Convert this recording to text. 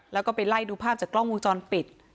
แล้วก็ไปไล่ดูภาพจากกล้องวงจรปิด